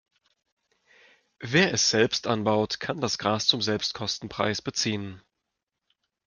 Wer es selbst anbaut, kann das Gras zum Selbstkostenpreis beziehen.